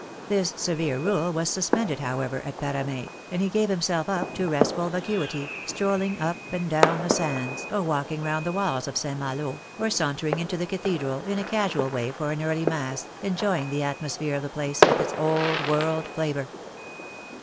This severe rule was suspended, however, at Parame, and he gave himself up to restful vacuity, strolling up and down the sands, or walking round the walls of St. Malo, or saunter ing into the cathedral in a casual way for an early mass, enjoying the atmosphere of the place, with its old world flavour.